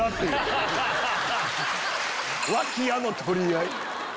脇屋の取り合い。